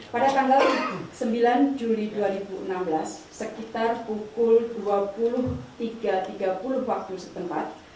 pada tanggal sembilan juli dua ribu enam belas sekitar pukul dua puluh tiga tiga puluh waktu setempat